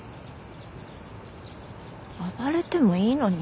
暴れてもいいのに。